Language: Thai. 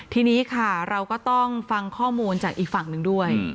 ทีนี้ค่ะเราก็ต้องฟังข้อมูลจากอีกฝั่งหนึ่งด้วย